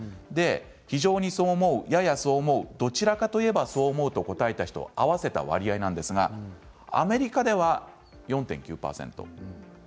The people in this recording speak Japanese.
非常にそう思う、ややそう思うどちらかといえばそう思うを合わせた割合はアメリカでは４．９％でした。